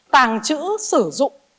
tàng trữ sử dụng